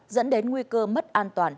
dẫn đến nguy cơ mất an toàn